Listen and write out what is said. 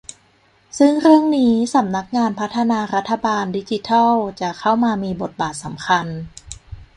ซึ่งเรื่องนี้สำนักงานพัฒนารัฐบาลดิจิทัลจะเข้ามามีบทบาทสำคัญ